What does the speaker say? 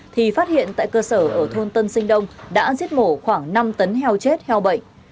thì phát hiện tại cơ sở ở thôn tân sinh đông đã giết mổ khoảng năm tấn heo chết heo bệnh